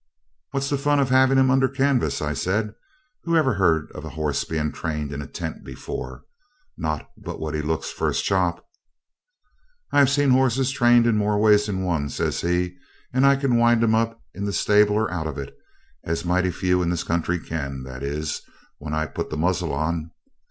'What's the fun of having him under canvas?' I said. 'Who ever heard of a horse being trained in a tent before? not but what he looks first chop.' 'I've seen horses trained in more ways than one,' says he, 'and I can wind 'em up, in the stable and out of it, as mighty few in this country can that is, when I put the muzzle on.